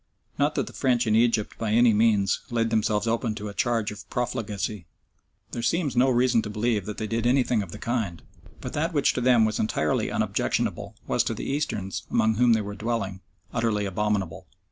Not that the French in Egypt by any means laid themselves open to a charge of profligacy. There seems no reason to believe that they did anything of the kind, but that which to them was entirely unobjectionable was to the Easterns, among whom they were dwelling, utterly abominable.